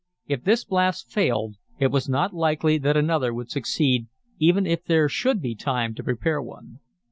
If this blast failed it was not likely that another would succeed, even if there should be time to prepare one.